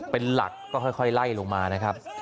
เป็นหลักก็ค่อยไล่ลงมานะครับ